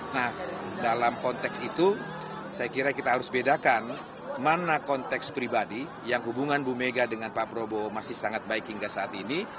nah dalam konteks itu saya kira kita harus bedakan mana konteks pribadi yang hubungan bu mega dengan pak prabowo masih sangat baik hingga saat ini